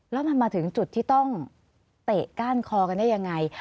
แล้วมันมาถึงจุดที่ต้องเตะก้านคอกันได้ยังไง